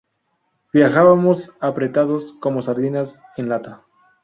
Viajábamos apretados como sardinas en lata